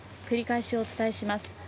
繰り返しお伝えします。